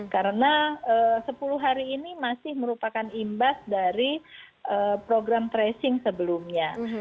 karena sepuluh hari ini masih merupakan imbas dari program tracing sebelumnya